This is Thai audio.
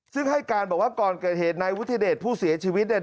ซึ่งให้การบอกว่าก่อนเกิดเหตุนายวุฒิเดชผู้เสียชีวิตเนี่ย